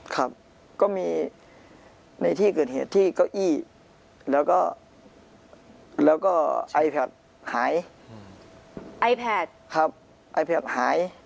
ครับก็มีในที่เกิดเหตุที่เก้าอี้แล้วก็แล้วก็หายครับหาย